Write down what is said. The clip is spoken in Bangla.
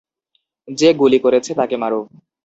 যে গুলি করছে তাকে মারো।